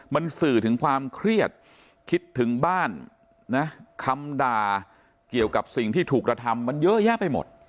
มันสื่อถึงความเครียดคิดถึงบ้านนะคำด่าเกี่ยวกับสิ่งที่ถูกกระทำมันเยอะแยะไปหมด